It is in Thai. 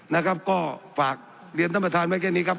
นะครับก็ฝากเรียนท่านประธานไว้แค่นี้ครับ